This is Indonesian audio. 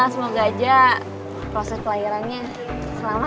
semoga aja proses pelahirannya